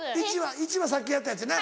１はさっきやったやつやな。